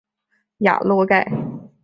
雅洛盖。